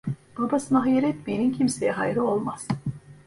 Babasına hayır etmeyenin kimseye hayrı olmaz.